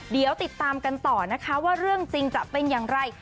เดี๋ยวติดตามกันต่อนะคะว่าเรื่องจริงจะเป็นอย่างไร